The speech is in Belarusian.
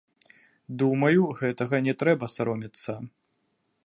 Думаю, гэтага не трэба саромецца.